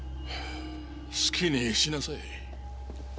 はぁ好きにしなさい。